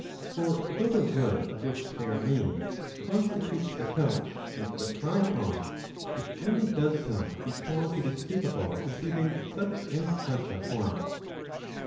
For though the wood of which they are made constitutes the couch and the tripod, it only does so because it is capable of receiving such and such a form.